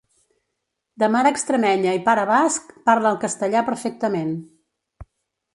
De mare extremenya i pare basc, parla el castellà perfectament.